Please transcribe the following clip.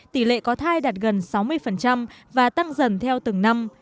tỷ lệ có thai đạt gần sáu mươi và tăng dần theo từng năm